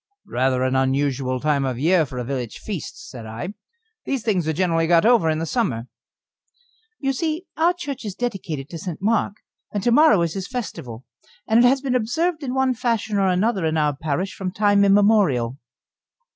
"Rather an unusual time of the year for a village feast," said I. "These things are generally got over in the summer." "You see, our church is dedicated to St. Mark, and to morrow is his festival, and it has been observed in one fashion or another in our parish from time immemorial.